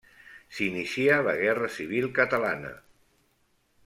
S'inicia la guerra civil catalana.